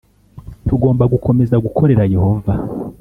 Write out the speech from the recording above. Tugomba gukomeza gukorera Yehova